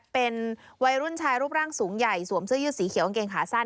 เป็นวัยรุ่นชายรูปร่างสูงใหญ่สวมเสื้อยืดสีเขียวกางเกงขาสั้น